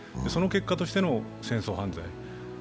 その結果としての戦争犯罪。